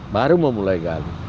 baru memulai gali